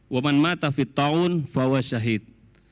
waman mata fittaun fawas syahid